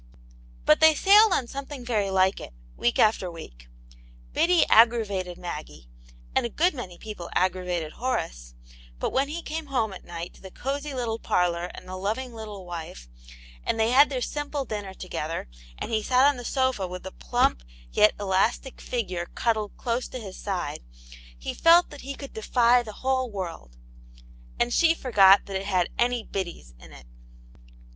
But they sailed on something very like it, week after week. Biddy aggravated Maggie, and a good many people aggravated Horace, but when he came home at night to the cosy little parlour and the loving little wife, and they had their simple dinner together, and he sat on the sofa with the plump, yet elastic figure cuddled close to his side, he felt that he could defy the whole world, and she forgot that it had any Biddys in it.